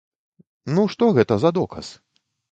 Ну што гэта за доказ?